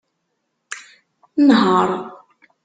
Nheṛ!